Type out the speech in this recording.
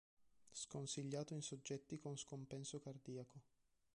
Sconsigliato in soggetti con scompenso cardiaco.